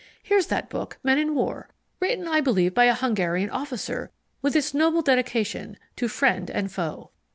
Here's that book Men in War, written I believe by a Hungarian officer, with its noble dedication "To Friend and Foe."